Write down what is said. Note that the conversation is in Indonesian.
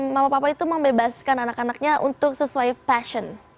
mama papa itu membebaskan anak anaknya untuk sesuai passion